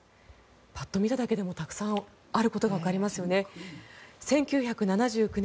パッと見ただけでもたくさんあることがわかりますよね。